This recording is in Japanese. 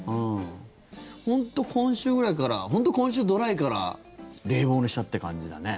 本当、今週ぐらいから本当、今週、ドライから冷房にしたって感じだね。